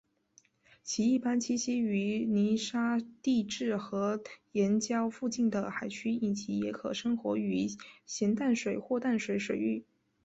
其一般栖息于泥沙底质和岩礁附近的海区以及也可生活于咸淡水或淡水水域。